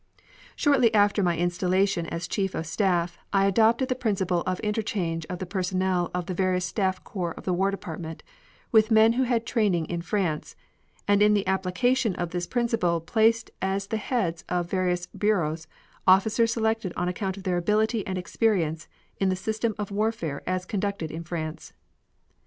Shortly after my installation as Chief of Staff I adopted the principle of interchange of the personnel of the various staff corps of the War Department with men who had training in France, and in the application of this principle placed as the heads of various bureaus officers selected on account of their ability and experience in the system of warfare as conducted in France.